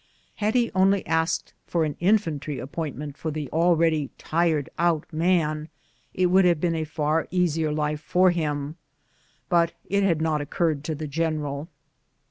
Had he only asked for an infantry appointment for the al ready tired out man, it would have been a far easier life for him, but it had not occurred to the general.